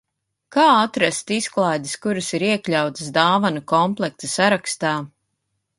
Kā atrast izklaides, kuras ir iekļautas dāvanu komplekta sarakstā?